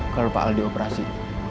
kalau pak al dioperasi